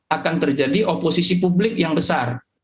akan terjadi oposisi publik yang besar